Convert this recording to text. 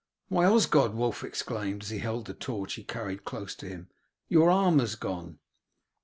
"Why, Osgod," Wulf exclaimed, as he held the torch he carried close to him, "your arm has gone!"